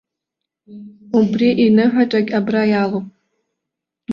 Убри иныҳәаҿагь абра иалоуп.